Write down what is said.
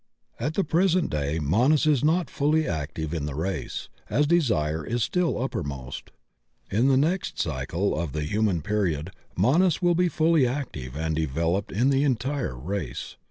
At the present day Manas is not fully active in the race, as Desire still is uppermost. In the next cycle of the human period Manas will be fully active and devel oped in the entire race.